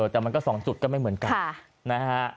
แต่มันก็๒จุดก็ไม่เหมือนกันนะฮะ